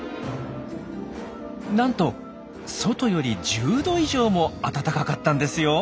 なんと外より１０℃以上も暖かかったんですよ。